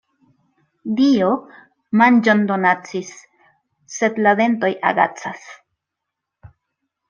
Dio manĝon donacis, sed la dentoj agacas.